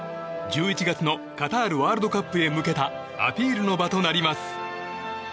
１１月のカタールワールドカップへ向けたアピールの場となります。